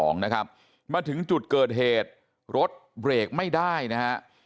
นะครับเมื่อถึงจุดเกิดเหตุรถเบรกไม่ได้นะฮะ